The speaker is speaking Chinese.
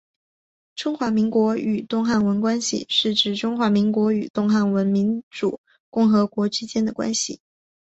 中华民国与东帝汶关系是指中华民国与东帝汶民主共和国之间的关系。